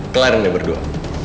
kelar ini berdua